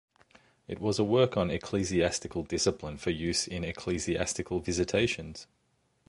It was a work on ecclesiastical discipline for use in ecclesiastical visitations.